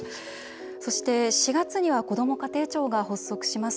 そして４月にはこども家庭庁も発足されます。